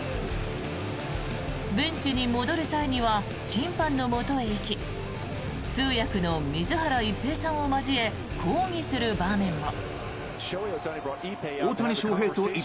ベンチに戻る際には審判のもとへ行き通訳の水原一平さんを交え抗議する場面も。